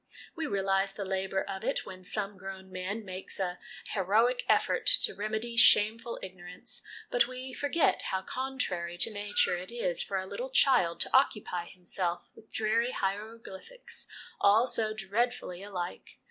We realise the labour of it when some grown man makes a heroic effort to remedy shameful ignorance, but we forget how contrary to Nature it is for a little child to occupy himself with dreary hieroglyphics all so dreadfully alike